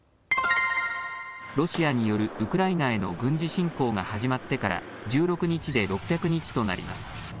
ロシアによるウクライナへの軍事侵攻が始まってから１６日で６００日となります。